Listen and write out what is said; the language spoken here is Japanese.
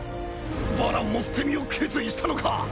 バランも捨て身を決意したのか？